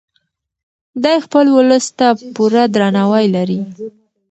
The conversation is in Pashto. دی خپل ولس ته پوره درناوی لري.